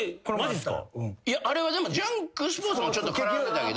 あれはでも『ジャンクＳＰＯＲＴＳ』もちょっと絡んでたけど。